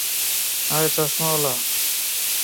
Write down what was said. আরে, চসমাওলা!